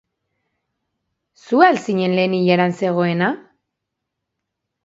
Zu al zinen lehen ilaran zegoena?